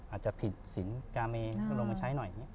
อาจจะผิดสินกาแมงต้องลงมาใช้หน่อย